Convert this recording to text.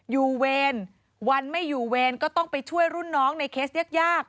เวรวันไม่อยู่เวรก็ต้องไปช่วยรุ่นน้องในเคสยาก